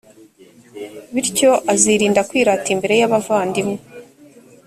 bityo, azirinda kwirata imbere y’abavandimwe,